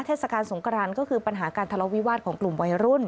เทศกาลสงกรานก็คือปัญหาการทะเลาวิวาสของกลุ่มวัยรุ่น